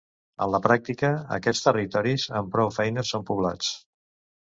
En la pràctica, aquests territoris, amb prou feines són poblats.